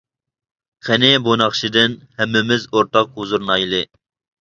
قېنى بۇ ناخشىدىن ھەممىمىز ئورتاق ھۇزۇرلىنايلى.